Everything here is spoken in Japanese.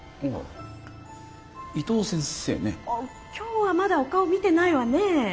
今日はまだお顔見てないわねえ。